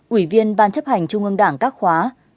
ủy viên ban chấp hành trung ương đảng các khóa ba bốn năm sáu bảy tám